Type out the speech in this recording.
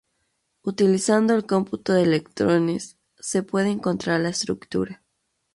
Utilizando el cómputo de electrones, se puede encontrar la estructura.